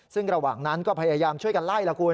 ซึ่งระหว่างนั้นก็พยายามช่วยกันไล่ละคุณ